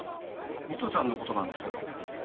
美都ちゃんの事なんですけど。